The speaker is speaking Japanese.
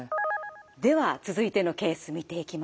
では続いてのケース見ていきます。